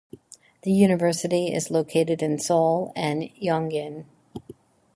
The university is located in Seoul and Yongin.